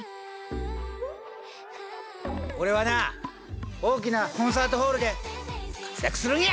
俺はな大きなコンサートホールで活躍するんや！